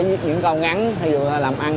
viết những câu ngắn thí dụ làm ăn